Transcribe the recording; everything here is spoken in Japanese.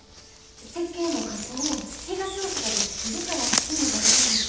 設計も加工も東大阪で作るから意味があるんです。